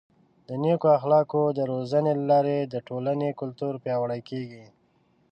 د نیکو اخلاقو د روزنې له لارې د ټولنې کلتور پیاوړی کیږي.